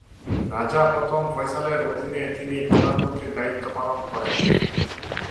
রাজা প্রথম ফয়সালের অধীনে তিনি প্রধানমন্ত্রীর দায়িত্ব পালন করেন।